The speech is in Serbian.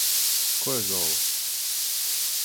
Ко је за ово?